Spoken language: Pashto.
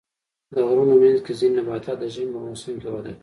د غرونو منځ کې ځینې نباتات د ژمي په موسم کې وده کوي.